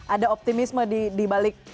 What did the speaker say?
ada optimisme di balik